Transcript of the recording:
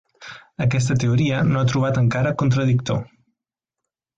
Aquesta teoria no ha trobat encara contradictor.